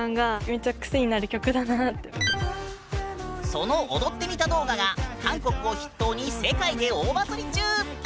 その踊ってみた動画が韓国を筆頭に世界で大バズり中！